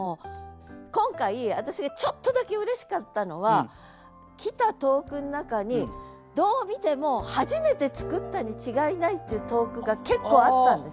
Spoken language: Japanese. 今回私がちょっとだけうれしかったのは来た投句の中にどう見ても初めて作ったに違いないっていう投句が結構あったんです。